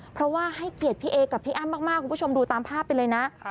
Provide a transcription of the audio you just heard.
เพราะว่าให้เกียรติพี่เอกับพี่อ้ำมากคุณผู้ชมดูตามภาพไปเลยนะ